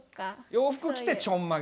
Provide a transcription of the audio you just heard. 洋服着てちょんまげ？